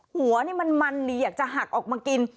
หัวนี่มันดีอยากจะหักออกมากิน